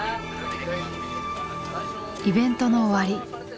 イベントの終わり。